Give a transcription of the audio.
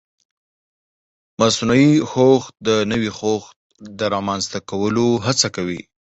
مصنوعي هوښ د نوي هوښ د رامنځته کولو هڅه کوي.